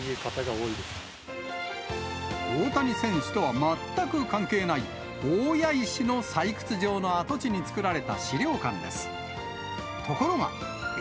大谷選手とは全く関係ない、大谷石の採掘場の跡地につくられた資料館です。